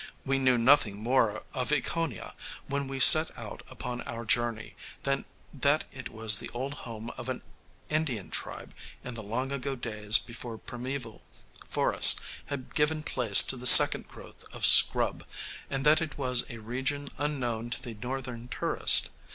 We knew nothing more of Ekoniah when we set out upon our journey than that it was the old home of an Indian tribe in the long ago days before primeval forest had given place to the second growth of "scrub," and that it was a region unknown to the Northern tourist.